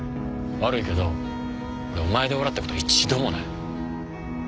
悪いけど俺お前で笑ったこと一度もない